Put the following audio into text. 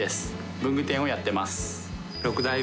文具店をやってます。